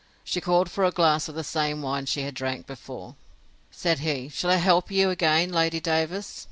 She called for a glass of the same wine she had drank before. Said he, Shall I help you again, Lady Davers?